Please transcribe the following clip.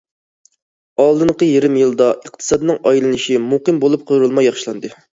ئالدىنقى يېرىم يىلدا، ئىقتىسادنىڭ ئايلىنىشى مۇقىم بولۇپ، قۇرۇلما ياخشىلاندى.